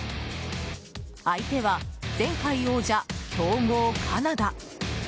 相手は前回王者、強豪カナダ。